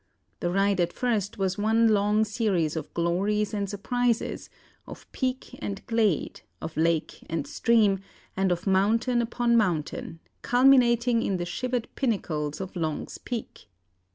The ride at first was one long series of glories and surprises, of peak and glade, of lake and stream, and of mountain upon mountain, culminating in the shivered pinnacles of Long's Peak.